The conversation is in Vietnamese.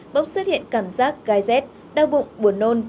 bốc xuất hiện cảm giác gai rét đau bụng buồn nôn